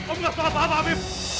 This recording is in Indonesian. om gak tau apa apa afif